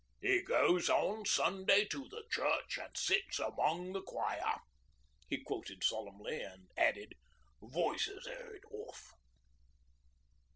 '"'E goes on Sunday to the church, an' sits among the choir."' he quoted solemnly and added, 'Voices 'eard, off.'